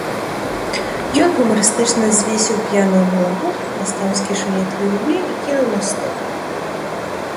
Ён гумарыстычна звесіў п'яную галаву, дастаў з кішэні тры рублі і кінуў на стол.